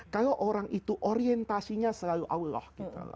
kalau orang itu orientasinya selalu allah